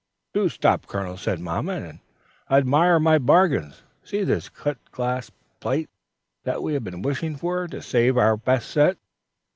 "Do stop, Colonel," said mamma, "and admire my bargains. See this cut glass and plate that we have been wishing for, to save our best set."